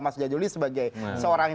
asveli tobuan keras engkau